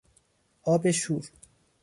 آب شور